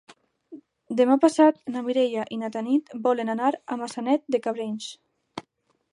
Demà passat na Mireia i na Tanit volen anar a Maçanet de Cabrenys.